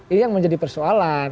ini yang menjadi persoalan